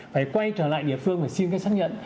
phải quay trở lại địa phương phải xin cái xác nhận